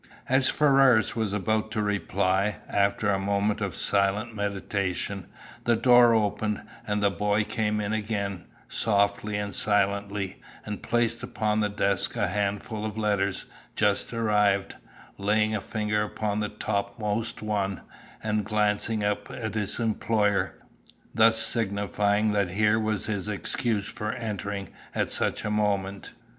As Ferrars was about to reply, after a moment of silent meditation, the door opened, and the boy came in again, softly and silently, and placed upon the desk a handful of letters, just arrived; laying a finger upon the topmost one, and glancing up at his employer, thus signifying that here was his excuse for entering at such a moment.